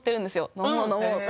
飲もう、飲もうって。